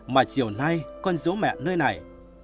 mà chiều nay con dỗ mẹ nơi này